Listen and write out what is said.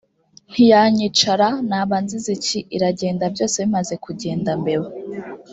ntiyanyica ra naba nzize iki iragenda byose bimaze kugenda mbeba